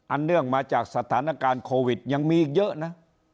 เนื่องมาจากสถานการณ์โควิดยังมีอีกเยอะนะ